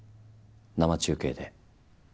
生中継で。